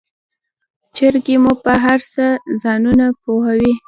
چرګې مو په هرڅه کې ځانونه پوهوي.